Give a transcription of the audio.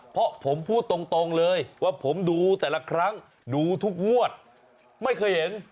เพราะผมพูดตรงเลยว่าผมดูแต่ละครั้งดูทุกงวดไม่เคยเห็น